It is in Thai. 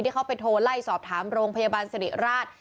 เข้าไปโทรไล่สอบถามโรงพยาบาลสิริราช